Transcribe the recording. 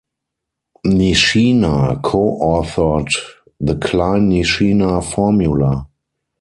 Nishina co-authored the Klein-Nishina formula.